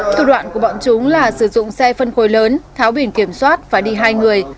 thủ đoạn của bọn chúng là sử dụng xe phân khối lớn tháo biển kiểm soát và đi hai người